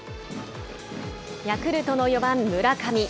ヤクルトの４番村上。